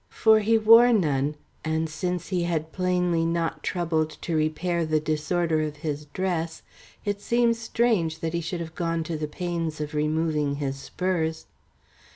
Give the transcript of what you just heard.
For he wore none, and since he had plainly not troubled to repair the disorder of his dress, it seemed strange that he should have gone to the pains of removing his spurs.